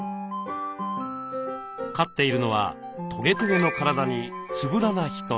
飼っているのはトゲトゲの体につぶらな瞳。